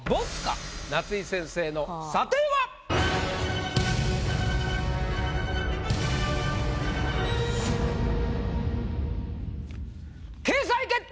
夏井先生の査定は⁉掲載決定！